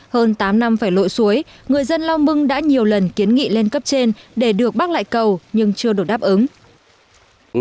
hơn tám năm phải lội suối người dân lao mưng đã nhiều lần kiến nghị lên cấp trên để được bác lại cầu nhưng chưa được đáp ứng